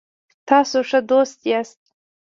تاسو ښه دوست یاست